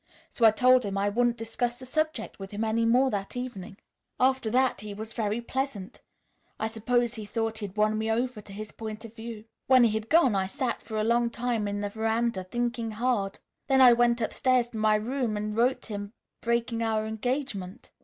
So I told him I wouldn't discuss the subject with him any more that evening. "After that he was very pleasant. I suppose he thought he had won me over to his point of view. When he had gone I sat for a long time on the veranda thinking hard. Then I went upstairs to my room and wrote him, breaking our engagement.